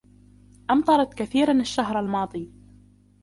أمطرت كثيراً الشهر الماضي.